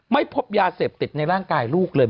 ไม่พบยาเสพติดในร่างกายลูกเลย